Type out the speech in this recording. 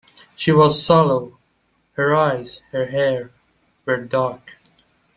She was sallow; her eyes, her hair, were dark.